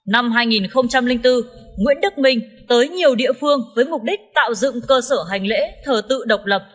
năm hai nghìn bốn nguyễn đức minh tới nhiều địa phương với mục đích tạo dựng cơ sở hành lễ thờ tự độc lập